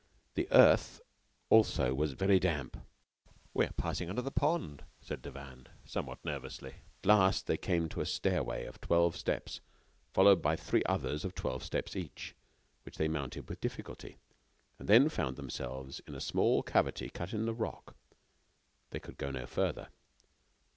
The earth, also, was very damp. "We are passing under the pond," said Devanne, somewhat nervously. At last, they came to a stairway of twelve steps, followed by three others of twelve steps each, which they mounted with difficulty, and then found themselves in a small cavity cut in the rock. They could go no further.